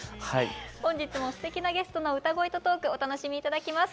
本日もすてきなゲストの歌声とトークお楽しみ頂きます。